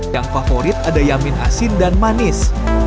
yang favorit ada yamin asin dan manis